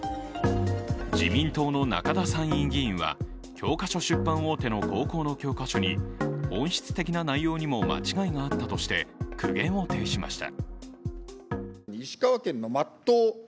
自民党の中田参院議員は教科書出版大手の高校の教科書に本質的な内容にも間違いがあったとして苦言を呈しました。